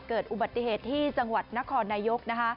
เกิดอุบัติเหตุที่จังหวัดนครนายกนะคะ